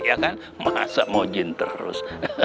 ya kan masa mau jin terus